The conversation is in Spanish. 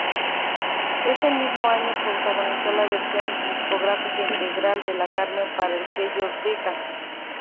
Ese mismo año protagonizó la versión discográfica integral de Carmen para el sello Decca.